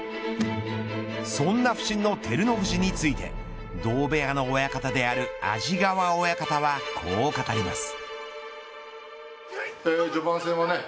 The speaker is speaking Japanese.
そんな不振の照ノ富士について同部屋の親方である安治川親方はこう語ります。